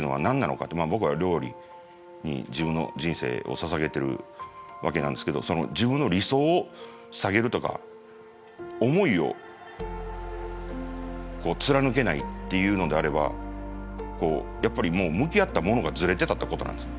僕は料理に自分の人生をささげてるわけなんですけど自分の理想を下げるとか思いを貫けないっていうのであればやっぱり向き合ったものがズレてたってことなんですね。